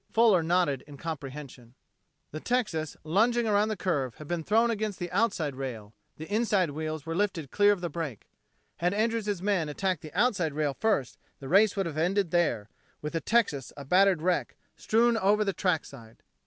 Fuller nodded in comprehension. The Texas, lunging around the curve, had been thrown against the outside rail; the inside wheels were lifted clear of the break. Had Andrews' men attacked the outside rail first, the race would have ended there, with the Texas a battered wreck, strewn over the trackside.